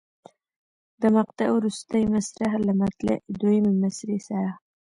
د مقطع وروستۍ مصرع له مطلع دویمې مصرع سره.